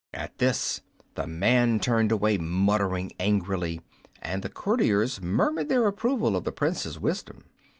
At this the man turned away muttering angrily, and the courtiers murmured their approval of the Prince's wisdom.